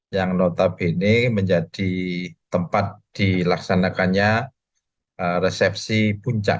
menjadi kabupaten sidoarjo yang notabene menjadi tempat dilaksanakannya resepsi puncak